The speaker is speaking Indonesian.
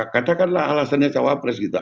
karena alasannya cawapres gitu